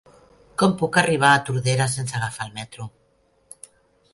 Com puc arribar a Tordera sense agafar el metro?